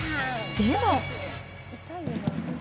でも。